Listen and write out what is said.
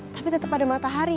tapi tetep ada matahari